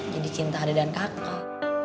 jadi cinta ade dan kakak